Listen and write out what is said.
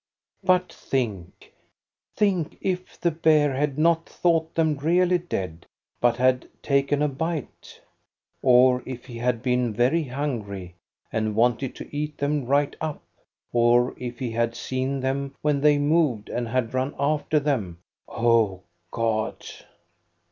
But think, think if the bear had not thought them really dead, but had taken a bite, or if he had been very hungry and wanted to eat them right up, or if he had seen them when they moved and had run after them. O God